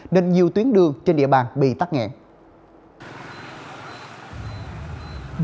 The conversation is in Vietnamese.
nên nhiều tuyến đường trên địa bàn bị tắt nghẹn